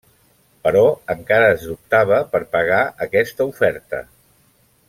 Però encara es dubtava per pagar aquesta oferta.